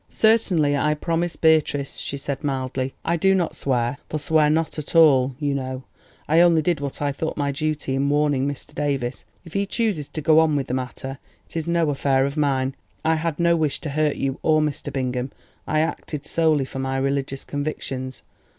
"Certainly I promise, Beatrice," she said mildly. "I do not swear, for 'swear not at all,' you know. I only did what I thought my duty in warning Mr. Davies. If he chooses to go on with the matter, it is no affair of mine. I had no wish to hurt you, or Mr. Bingham. I acted solely from my religious convictions."